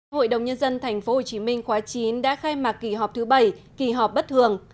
hội đồng nhân dân tp hcm khóa chín đã khai mạc kỳ họp thứ bảy kỳ họp bất thường